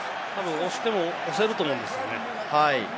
押しても押せると思うんですね。